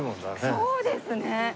そうですね。